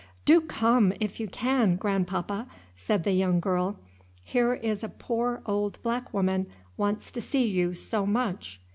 "Do come, if you can, grandpapa," said the young girl; "here is a poor old black woman wants to see you so much!"